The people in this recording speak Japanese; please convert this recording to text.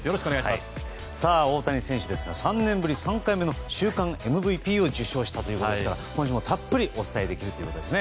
大谷選手ですが３年ぶり３回目の週間ＭＶＰを受賞したということですから今週もたっぷりお伝えできるということですね。